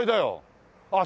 あっ